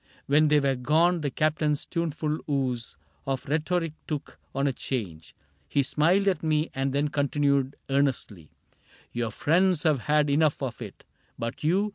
When they were gone the Captain's tuneful ooze Of rhetoric took on a change ; he smiled At me and then continued, earnestly :" Your friends have had enough of it ; but you.